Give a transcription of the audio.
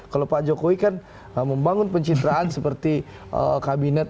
kalau pak jokowi kan membangun pencitraan seperti kabinet